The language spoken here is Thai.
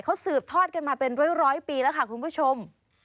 เขาสืบทอดกันมาเป็นร้อยปีแล้วค่ะคุณผู้ชม